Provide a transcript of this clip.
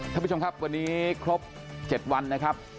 ท่านผู้ชมครับวันนี้ครบ๗วันนะครับ